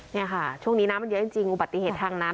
นี่ค่ะช่วงนี้น้ำมันเยอะจริงอุบัติเหตุทางน้ำ